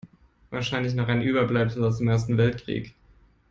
Wahrscheinlich noch ein Überbleibsel aus dem Ersten Weltkrieg.